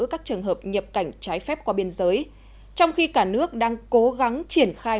các trường hợp nhập cảnh trái phép qua biên giới trong khi cả nước đang cố gắng triển khai